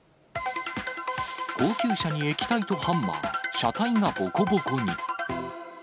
高級車に液体とハンマー、車体がぼこぼこに。